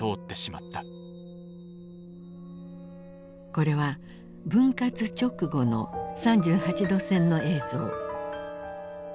これは分割直後の３８度線の映像。